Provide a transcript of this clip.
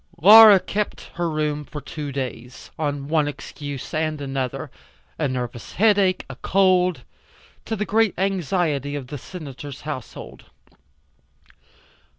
Laura kept her room for two days, on one excuse and another a nervous headache, a cold to the great anxiety of the Senator's household.